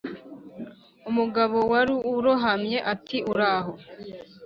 umugabo wari urohamye ati: 'uraho.'